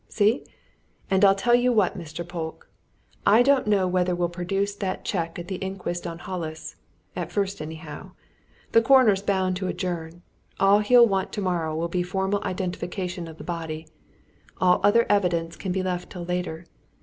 See? And I'll tell you what, Mr. Polke I don't know whether we'll produce that cheque at the inquest on Hollis at first, anyhow. The coroner's bound to adjourn all he'll want tomorrow will be formal identification of the body all other evidence can be left till later.